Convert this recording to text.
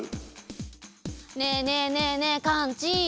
ねえねえねえねえカンチ。